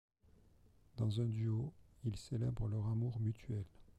Dans un duo, ils célèbrent leur amour mutuel.